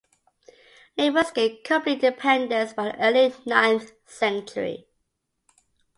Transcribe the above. Naples gained complete independence by the early ninth century.